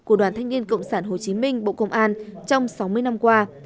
của đoàn thanh niên cộng sản hồ chí minh bộ công an trong sáu mươi năm qua